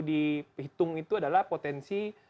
dihitung itu adalah potensi